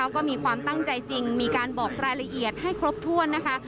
ก็มีความตั้งใจจริงมีการบอกรายละเอียดให้ครบถ้วนนะคะ